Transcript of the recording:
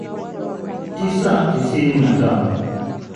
tisa tisini na tano